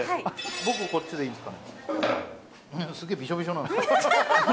僕こっちでいいですか？